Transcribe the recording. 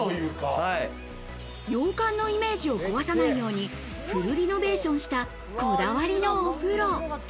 洋館のイメージを壊さないようにフルリノベーションした、こだわりのお風呂。